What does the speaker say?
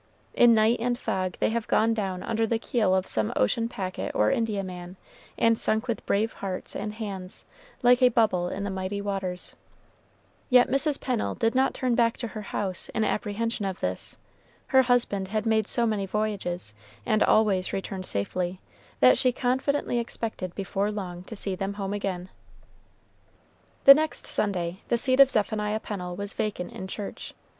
In night and fog they have gone down under the keel of some ocean packet or Indiaman, and sunk with brave hearts and hands, like a bubble in the mighty waters. Yet Mrs. Pennel did not turn back to her house in apprehension of this. Her husband had made so many voyages, and always returned safely, that she confidently expected before long to see them home again. The next Sunday the seat of Zephaniah Pennel was vacant in church.